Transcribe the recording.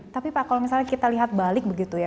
tapi pak kalau misalnya kita lihat balik begitu ya